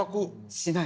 しない。